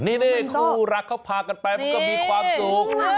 นี่คู่รักเขาพากันไปมันก็มีความสุข